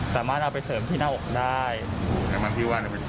สามารถเอาไปเสริมที่หน้าอกได้